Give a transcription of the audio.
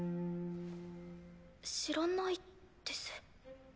知らないです。